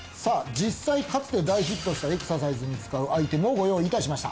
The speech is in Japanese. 実際かつて大ヒットしたエクササイズに使うアイテムをご用意いたしました